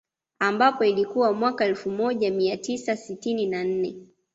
Ambapo ilikuwa mwaka elfu moja mia tisa sitini na nne